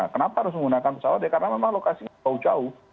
kenapa harus menggunakan pesawat ya karena memang lokasinya jauh jauh